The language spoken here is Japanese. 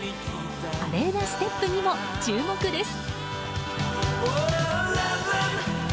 華麗なステップにも注目です。